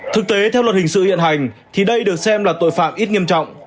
thực tế theo luật hình sự hiện hành thì đây được xem là tội phạm ít nghiêm trọng